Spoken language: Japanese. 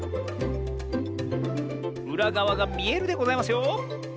うらがわがみえるでございますよ！